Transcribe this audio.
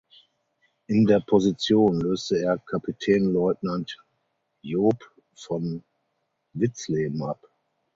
In der Position löste er Kapitänleutnant Job von Witzleben ab.